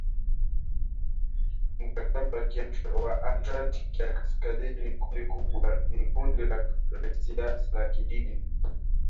mkataba wa atlantiki ya kaskazini ni kundi la kisiasa na kidini